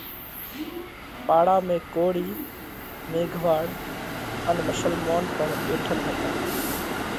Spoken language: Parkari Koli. پاڙا ۾ ڪوۯِي، ميگھواۯ ان مشلمونَ پڻ ٻيٺل هتا۔